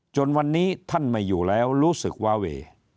จนวันนี้ท่านไม่อยู่แล้วรู้สึกวาเว